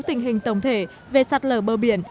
tình hình tổng thể về sạt lở bờ biển